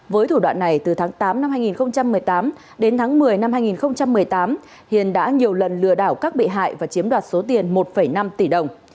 với thủ đoạn này từ tháng tám năm hai nghìn một mươi tám đến tháng một mươi năm hai nghìn một mươi tám hiền đã nhiều lần lừa đảo các bị hại và chiếm đoạt số tiền một năm tỷ đồng